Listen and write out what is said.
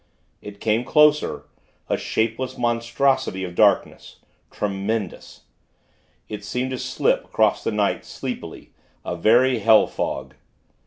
It came closer, a shapeless monstrosity of darkness tremendous. It seemed to slip across the night, sleepily a very hell fog.